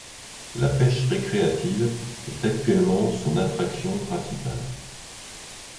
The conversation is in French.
La pêche récréative est actuellement son attraction principale.